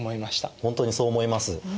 本当にそう思います。